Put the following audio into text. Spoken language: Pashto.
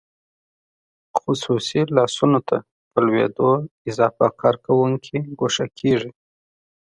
خصوصي لاسونو ته په لوېدو اضافه کارکوونکي ګوښه کیږي.